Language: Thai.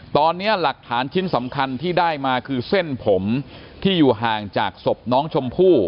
ตอนนี้หลักฐานชิ้นสำคัญที่ได้มาคือเส้นผมที่อยู่ห่างจากศพน้องชมพู่